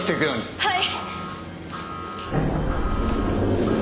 はい。